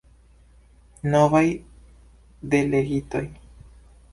Novaj delegitoj.